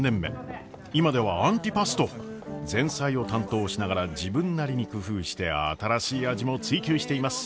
今ではアンティパスト前菜を担当しながら自分なりに工夫して新しい味も追求しています。